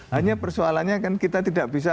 hanya persoalannya kan kita tidak bisa